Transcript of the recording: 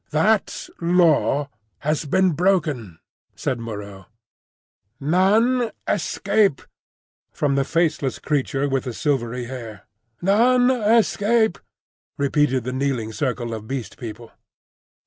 "That Law has been broken!" said Moreau. "None escape," from the faceless creature with the silvery hair. "None escape," repeated the kneeling circle of Beast People.